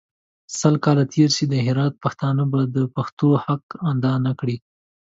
سل کاله تېر سي د هرات پښتانه به د پښتو حق اداء نکړي.